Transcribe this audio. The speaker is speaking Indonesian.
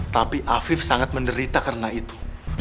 tapi afif sangat menderita karena itu